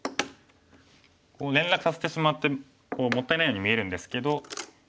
連絡させてしまってもったいないように見えるんですけど。